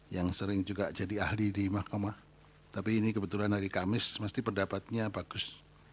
yang sering juga jadi ahli di mahkamah tapi ini kebetulan hari kamis mesti pendapatnya bagus